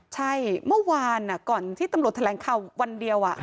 ใช่เมื่อวานก่อนที่ตำรวจแถลงข่าววันเดียว